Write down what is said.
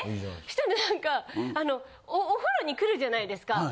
したら何かお風呂に来るじゃないですか。